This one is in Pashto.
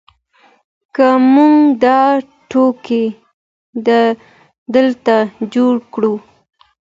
که موږ دا توکي دلته جوړ کړو.